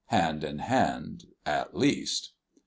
Hand in hand at least.